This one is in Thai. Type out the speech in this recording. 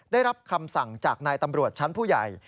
ได้รับคำสั่งจากนายตำรวจชั้นผู้ใหญ่